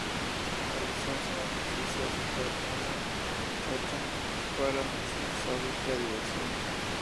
A los once años hizo azotar a una muchacha para su sádica diversión.